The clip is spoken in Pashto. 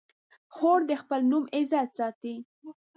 خور د خپل نوم عزت ساتي.